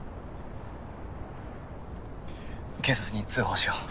警察に通報しよう。